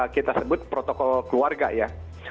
kita sebut protokol keluarga ya